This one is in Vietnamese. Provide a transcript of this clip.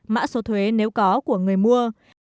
mã số thuế nếu có của người mua